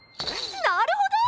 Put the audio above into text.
なるほど！